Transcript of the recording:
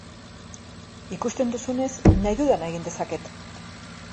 Ikusten duzunez, nahi dudana egin dezaket!